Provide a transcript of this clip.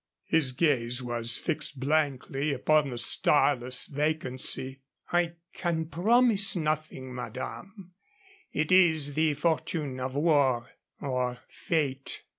His gaze was fixed blankly upon the starless vacancy. "I can promise nothing, madame. It is the fortune of war ... or fate."